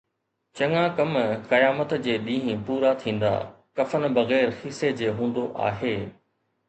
چڱا ڪم قيامت جي ڏينهن پورا ٿيندا، ڪفن بغير کيسي جي هوندو آهي